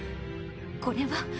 これは。